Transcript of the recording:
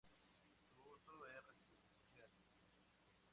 Su uso es residencial.